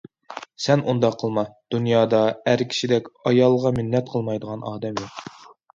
سەن ئۇنداق قىلما، دۇنيادا ئەر كىشىدەك ئايالغا مىننەت قىلمايدىغان ئادەم يوق.